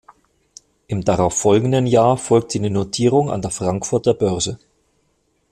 Im darauf folgenden Jahr folgte die Notierung an der Frankfurter Börse.